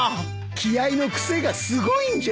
気合の癖がすごいんじゃ。